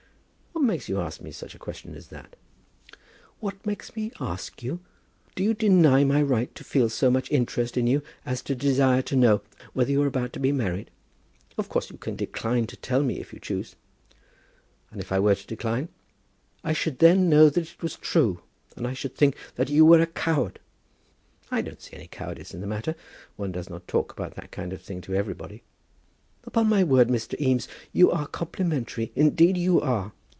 "What makes you ask me such a question as that?" "What makes me ask you? Do you deny my right to feel so much interest in you as to desire to know whether you are about to be married? Of course you can decline to tell me if you choose." "And if I were to decline?" "I should know then that it was true, and I should think that you were a coward." "I don't see any cowardice in the matter. One does not talk about that kind of thing to everybody." "Upon my word, Mr. Eames, you are complimentary; indeed you are.